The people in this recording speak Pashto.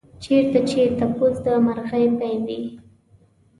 چېرته چې تپوس د مرغۍ پۍ وي.